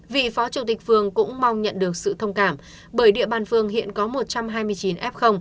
vị phó chủ tịch phường cũng mong nhận được sự thông cảm bởi địa bàn phường hiện có một trăm hai mươi chín f